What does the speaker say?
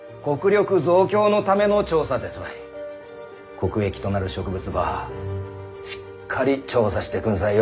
国益となる植物ばしっかり調査してくんさいよ。